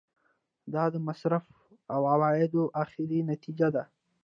دا د مصارفو او عوایدو اخري نتیجه ده.